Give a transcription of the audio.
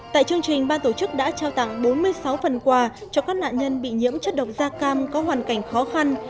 tại chương trình ban tổ chức đã trao tặng bốn mươi sáu phần quà cho các nạn nhân bị nhiễm chất độc da cam có hoàn cảnh khó khăn